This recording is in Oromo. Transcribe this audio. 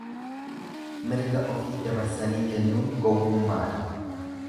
Mirga ofi dabarsanii kennuun gowwummaadha.